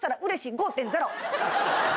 ５．０。